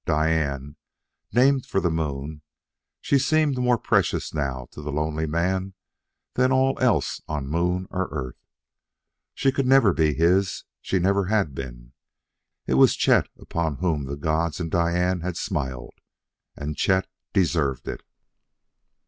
Diane named for the moon: she seemed more precious now to the lonely man than all else on moon or Earth. She could never be his; she never had been. It was Chet upon whom the gods and Diane had smiled. And Chet deserved it.